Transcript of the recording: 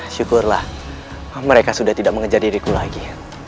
syukurlah mereka sudah tidak mengejar diriku lagi